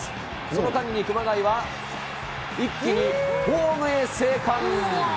その間に熊谷は一気にホームへ生還。